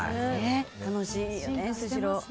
楽しいよね、スシロー。